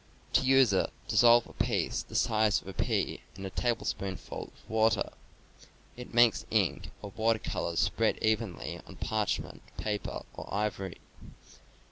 To use it, dissolve a piece the size of a pea in a tablespoonful of water. It makes ink or watercolors spead evenly on parchment, paper, or ivory.